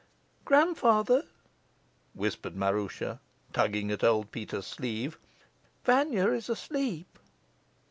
"Grandfather," whispered Maroosia, tugging at old Peter's sleeve, "Vanya is asleep."